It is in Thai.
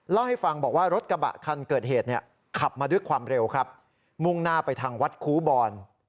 เล่าให้ฟังบอกว่ารถกระบะคันเกิดเหตุเนี่ยขับมาด้วยความเร็วครับมุ่งหน้าไปทางวัดคูบอน